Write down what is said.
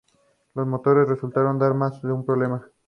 Cooper cree que Australia tendría que devenir en una república.